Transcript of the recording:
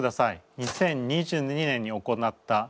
２０２２年に行った実験です。